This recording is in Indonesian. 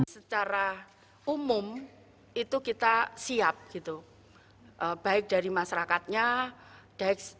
secara umum itu kita siap gitu baik dari masyarakatnya baik dari sarana prasarananya